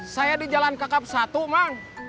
saya di jalan ke kap satu mang